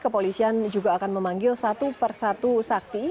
kepolisian juga akan memanggil satu persatu saksi